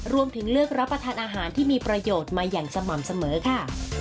รวมถึงเลือกรับประทานอาหารที่มีประโยชน์มาอย่างสม่ำเสมอค่ะ